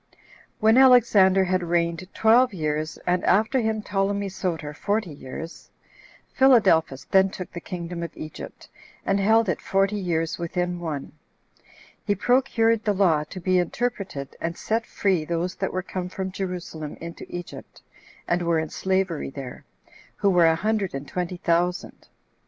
When Alexander had reigned twelve years, and after him Ptolemy Soter forty years, Philadelphus then took the kingdom of Egypt, and held it forty years within one. He procured the law to be interpreted, and set free those that were come from Jerusalem into Egypt, and were in slavery there, who were a hundred and twenty thousand.